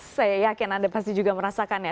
saya yakin anda pasti juga merasakannya